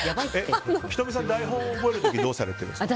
仁美さん、台本を覚える時どうされてますか？